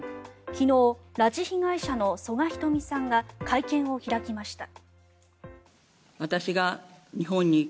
昨日、拉致被害者の曽我ひとみさんが会見を開きました。